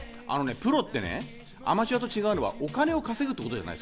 プロってアマチュアと違うのはお金を稼ぐということ。